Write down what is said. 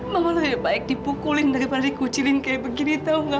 mama lebih baik dipukulin daripada dikucilin kayak begini tau gak